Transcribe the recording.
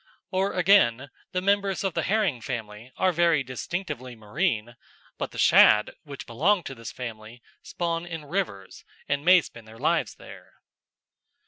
Or, again, the members of the herring family are very distinctively marine, but the shad, which belong to this family, spawn in rivers and may spend their lives there.